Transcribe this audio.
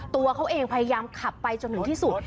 ตัวเขาเองพยายามขับไปจนถึงที่สุด